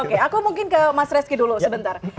oke aku mungkin ke mas reski dulu sebentar